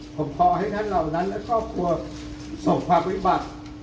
ผมขอให้ท่านเหล่านั้นและครอบครัวส่งความวิบัติ